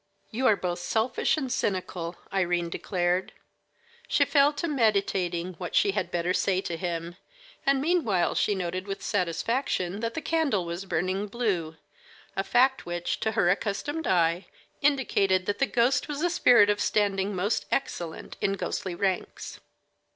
"You are both selfish and cynical," Irene declared. She fell to meditating what she had better say to him, and meanwhile she noted with satisfaction that the candle was burning blue, a fact which, to her accustomed eye, indicated that the ghost was a spirit of standing most excellent in ghostly ranks.